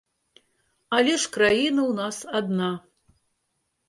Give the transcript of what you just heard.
Але ж краіна ў нас адна.